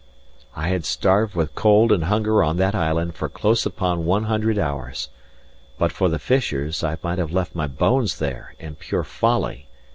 I had starved with cold and hunger on that island for close upon one hundred hours. But for the fishers, I might have left my bones there, in pure folly.